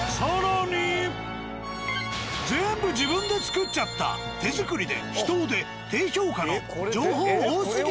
ぜんぶ自分で作っちゃった手作りで秘湯で低評価の情報多すぎ